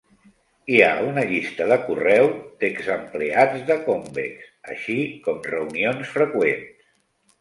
Hi ha una llista de correu d'exempleats de Convex, així com reunions freqüents.